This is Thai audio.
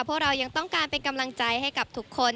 พวกเรายังต้องการเป็นกำลังใจให้กับทุกคน